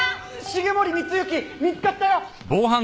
繁森光之見つかったよ！